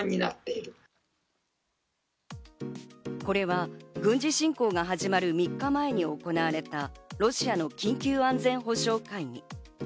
これは軍事侵攻が始まる３日前に行われたロシアの緊急安全保障会議。